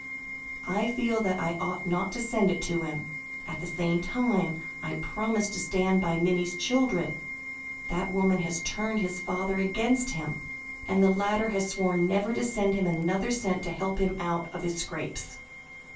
"I feel that I ought not to send it to him, at the same time I promised to stand by Minnie's children. That woman has turned his father against him, and the latter has sworn never to send him another cent to help him out of his scrapes."